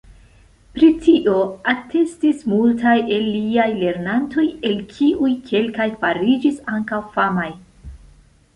Pri tio atestis multaj el liaj lernantoj el kiuj kelkaj fariĝis ankaŭ famaj.